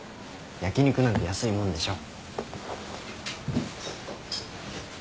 焼き肉なんて安いもんでしょ。